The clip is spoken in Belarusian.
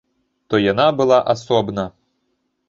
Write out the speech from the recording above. То яна была асобна.